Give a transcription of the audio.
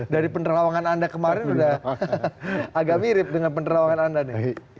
dari penerawangan anda kemarin sudah agak mirip dengan penerawangan anda nih